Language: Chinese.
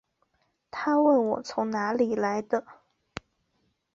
她问我从哪里来的